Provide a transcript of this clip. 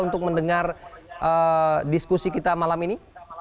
untuk mendengar diskusi kita malam ini